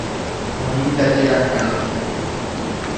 Oĩndajeraka'e.